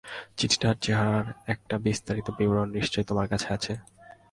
চিঠিটার চেহারার একটা বিস্তারিত বিবরণ নিশ্চয়ই তোমার কাছে আছে।